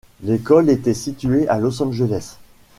L'école était située à Los Angeles.